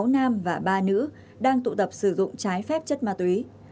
sáu nam và ba nữ đang tụ tập sử dụng trái phép chất ma túy